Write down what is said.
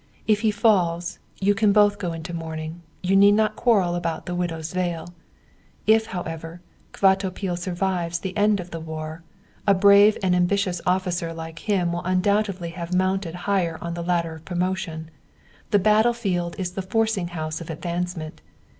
If he falls, you can both go into mourning. You need not quarrel about the widow's veil. If, however, Kvatopil survives the end of the war, a brave and ambitious officer like him will undoubtedly have mounted higher on the ladder of promotion the battle field is the forcing house of advancement!